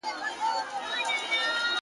چا ويل چي ستا په ليدو څوک له لېونتوبه وځي~